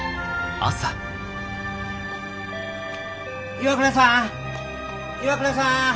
岩倉さん岩倉さん